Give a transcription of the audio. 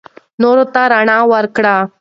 نورو ته رڼا ورکړئ.